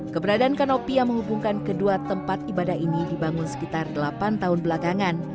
keberadaan kanopi yang menghubungkan kedua tempat ibadah ini dibangun sekitar delapan tahun belakangan